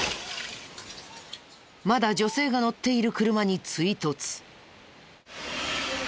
まだ女性が乗っている車に追突。